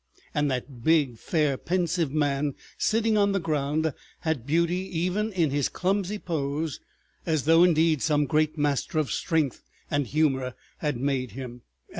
And that big, fair, pensive man sitting on the ground had beauty even in his clumsy pose, as though indeed some Great Master of strength and humor had made him.